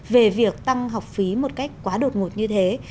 về việc tăng học phí một cách quá đột ngột như thế